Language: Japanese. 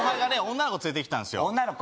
女の子連れてきたんですよ女の子？